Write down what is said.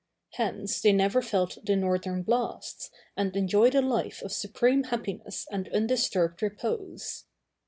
Hence they never felt the northern blasts, and enjoyed a life of supreme happiness and undisturbed repose.